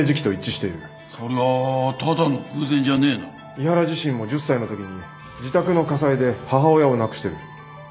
井原自身も１０歳のときに自宅の火災で母親を亡くしてる。